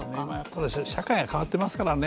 ただ社会が変わってますからね。